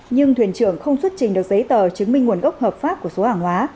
nhưng thuyền trưởng không xuất trình được giấy tờ chứng minh nguồn gốc hợp pháp của số hàng hóa